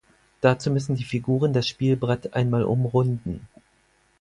Dazu müssen die Figuren das Spielbrett einmal umrunden.